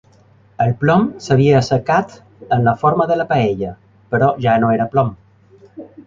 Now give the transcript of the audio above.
El plom s'havia assecat en la forma de la paella, però ja no era plom.